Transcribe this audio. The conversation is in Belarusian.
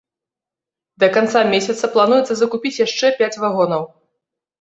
Да канца месяца плануецца закупіць яшчэ пяць вагонаў.